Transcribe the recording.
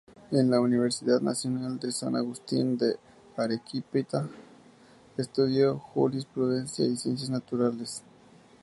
En la Universidad Nacional de San Agustín de Arequipa estudió Jurisprudencia y Ciencias Naturales.